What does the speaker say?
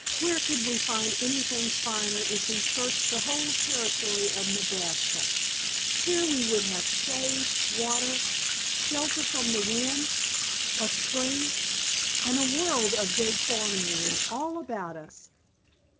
Where could we find anything finer if we searched the whole Territory of Nebraska? Here we would have shade, water, shelter from the wind, a spring, and a world of good farming land all about us!"